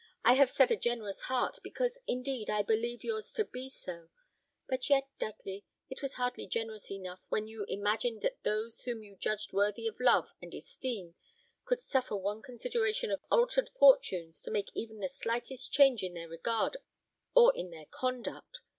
I have said a generous heart, because, indeed, I believe yours to be so; but yet, Dudley, it was hardly generous enough when you imagined that those whom you judged worthy of love and esteem could suffer one consideration of altered fortunes to make even the slightest change in their regard or in their conduct.